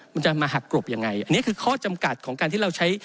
มันจะมาหักกรบยังไงอันนี้คือข้อจำกัดของการที่เราใช้